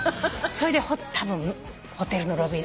それでたぶんホテルのロビー